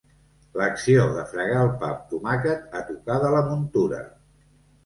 L'acció de fregar el pa amb tomàquet a tocar de la muntura.